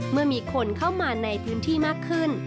เมื่อมีคนเข้ามาในพื้นที่มากขึ้น